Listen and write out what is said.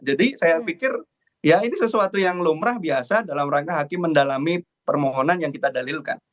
jadi saya pikir ya ini sesuatu yang lumrah biasa dalam rangka hakim mendalami permohonan yang kita dalilkan